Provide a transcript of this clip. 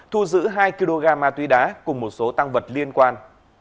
hai kg ma túy đá cùng một số tăng vật liên quan